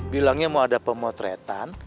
bilangnya mau ada pemotretan